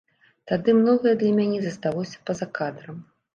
Тады многае для мяне засталося па-за кадрам.